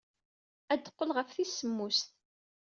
Ad d-teqqel ɣef tis semmuset.